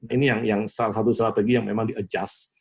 ini salah satu strategi yang memang diadjust